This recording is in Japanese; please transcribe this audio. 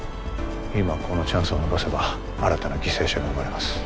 今このチャンスを逃せば新たな犠牲者が生まれます